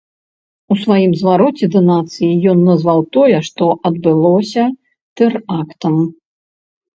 У сваім звароце да нацыі ён назваў тое, што адбылося тэрактам.